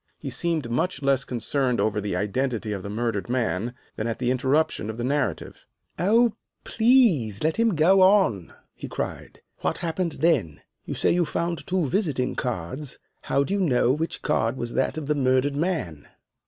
He seemed much less concerned over the identity of the murdered man than at the interruption of the narrative. "Oh, please let him go on!" he cried. "What happened then? You say you found two visiting cards. How do you know which card was that of the murdered man?"